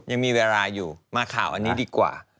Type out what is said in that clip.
ยังมีเวลาอยู่มาข่าวอันนี้ดีกว่า